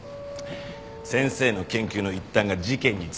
先生の研究の一端が事件に使われた。